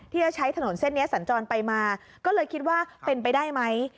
ที่จะใช้ถนนเส้นนี้สัญจรไปมาก็เลยคิดว่าเป็นไปได้ไหม